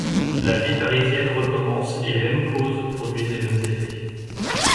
La vie parisienne recommence et les mêmes causes produisent les mêmes effets.